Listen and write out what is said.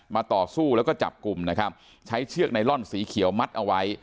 ต่อสู้แล้วก็จับกลุ่มนะครับใช้เชือกไนลอนสีเขียวมัดเอาไว้